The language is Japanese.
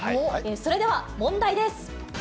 それでは問題です。